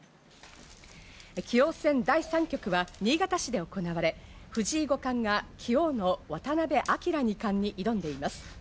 棋王戦第３局は新潟市で行われ、藤井五冠が棋王の渡辺明二冠に挑んでいます。